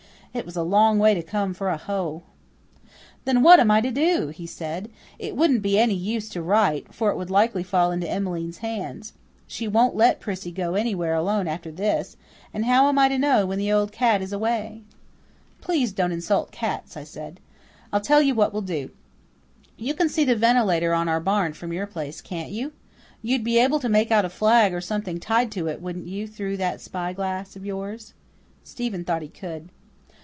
It was a long way to come for a hoe. "Then what am I to do?" he said. "It wouldn't be any use to write, for it would likely fall into Emmeline's hands. She won't let Prissy go anywhere alone after this, and how am I to know when the old cat is away?" "Please don't insult cats," I said. "I'll tell you what we'll do. You can see the ventilator on our barn from your place, can't you? You'd be able to make out a flag or something tied to it, wouldn't you, through that spy glass of yours?" Stephen thought he could.